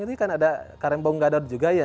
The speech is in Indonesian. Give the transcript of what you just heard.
ini kan ada karembong gadot juga ya